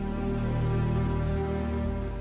biasanya nangis begini